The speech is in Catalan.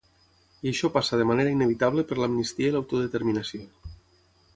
I això passa de manera inevitable per l’amnistia i l’autodeterminació.